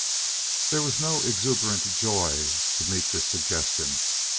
CHAPTER 33 There was no exuberant joy to meet this suggestion.